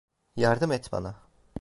Yardım et bana.